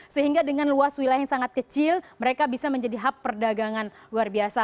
sehingga dengan luas wilayah yang sangat kecil mereka bisa menjadi hub perdagangan luar biasa